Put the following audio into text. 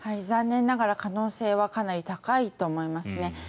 残念ながら可能性はかなり高いと思いますね。